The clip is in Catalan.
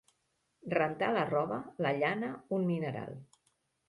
Rentar la roba, la llana, un mineral.